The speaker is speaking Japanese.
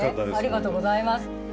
ありがとうございます。